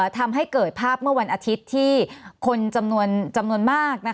ทำให้เกิดภาพเมื่อวันอาทิตย์ที่คนจำนวนมาก